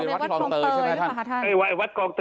วัดกองเตยใช่ไหมค่ะท่าน